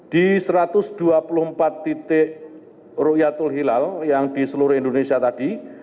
di satu ratus dua puluh empat titik rukyatul hilal yang di seluruh indonesia tadi